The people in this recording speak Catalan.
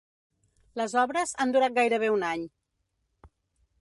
Les obres han durat gairebé un any.